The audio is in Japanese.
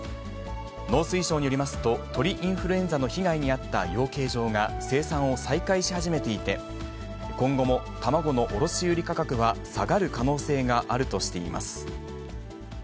農水省によりますと、鳥インフルエンザの被害に遭った養鶏場が生産を再開し始めていて、今後も卵の卸売り価格は下がる可能性があるとしています。